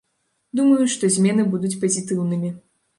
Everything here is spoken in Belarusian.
Думаю, што змены будуць пазітыўнымі.